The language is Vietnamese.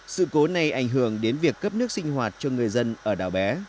sự cố này ảnh hưởng đến việc cấp nước sinh hoạt cho người dân ở đảo bé